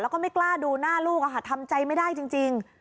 แล้วก็ไม่กล้าดูหน้าลูกทำใจไม่ได้จริง